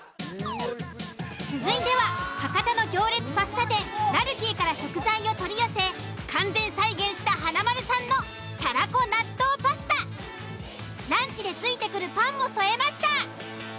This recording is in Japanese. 続いては博多の行列パスタ店「らるきい」から食材を取り寄せ完全再現した華丸さんのランチで付いてくるパンも添えました。